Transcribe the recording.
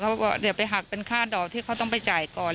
บอกว่าเดี๋ยวไปหักเป็นค่าดอกที่เขาต้องไปจ่ายก่อน